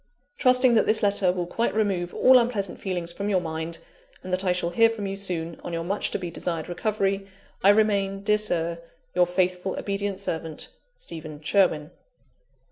"Trusting that this letter will quite remove all unpleasant feelings from your mind, and that I shall hear from you soon, on your much to be desired recovery, "I remain, dear Sir, "Your faithful, obedient servant, "STEPHEN SHERWIN.